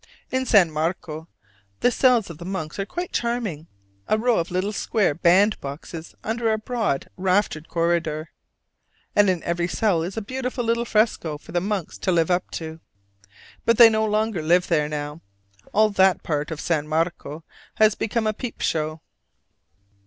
In San Marco, the cells of the monks are quite charming, a row of little square bandboxes under a broad raftered corridor, and in every cell is a beautiful little fresco for the monks to live up to. But they no longer live there now: all that part of San Marco has become a peep show.